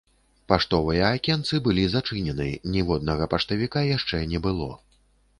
Паштовыя акенцы былі зачынены, ніводнага паштавіка яшчэ не было.